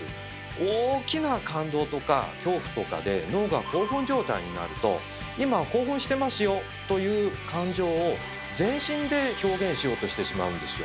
大きな「感動」とか「恐怖」とかで脳が興奮状態になると「今興奮してますよ」という感情を全身で表現しようとしてしまうんですよ。